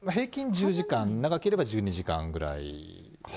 平均１０時間、長ければ１２時間ぐらい。